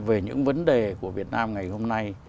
về những vấn đề của việt nam ngày hôm nay